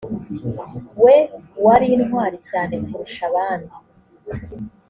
we wari intwari cyane kurusha abandi